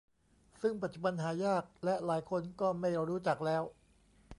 ซึ่งปัจจุบันหายากและหลายคนก็ไม่รู้จักแล้ว